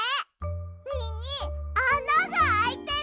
みにあながあいてる。